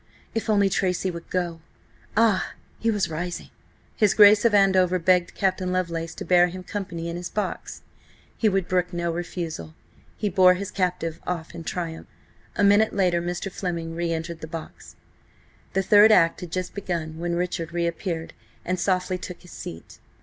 If only Tracy would go! Ah! he was rising! His Grace of Andover begged Captain Lovelace to bear him company in his box. He would brook no refusal. He bore his captive off in triumph. A minute later Mr. Fleming re entered the box. The third act had just begun when Richard re appeared, and softly took his seat.